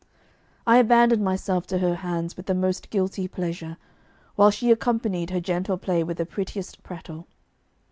I abandoned myself to her hands with the most guilty pleasure, while she accompanied her gentle play with the prettiest prattle.